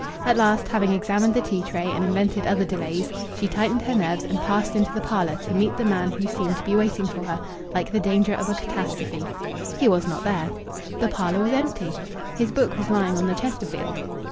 At last, having examined the tea tray and invented other delays, she tightened her nerves and passed into the parlour to meet the man who seemed to be waiting for her like the danger of a catastrophe. He was not there. The parlour was empty. His book was lying on the Chesterfield.